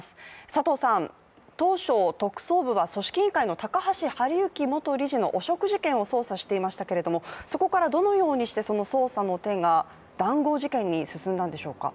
佐藤さん、当初、特捜部は組織委員会の高橋治之容疑者の汚職事件を捜査していましたけれども、そこからどのようにしてその捜査の点が談合事件に進んだんでしょうか？